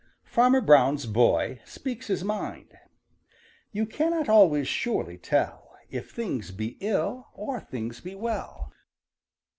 FARMER BROWN'S BOY SPEAKS HIS MIND ````You cannot always surely tell ````If things be ill or things be well.